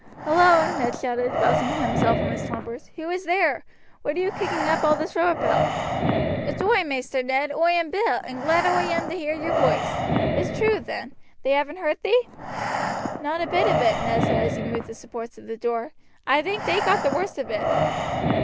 "Hullo!" Ned shouted, rousing himself from his slumbers; "who is there? What are you kicking up all this row about?" "It's oi, Maister Ned, oi and Bill, and glad oi am to hear your voice. It's true, then, they haven't hurt thee?" "Not a bit of it," Ned said as he moved the supports of the door. "I think they got the worst of it."